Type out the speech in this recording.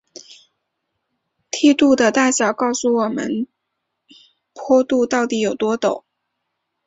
梯度的大小告诉我们坡度到底有多陡。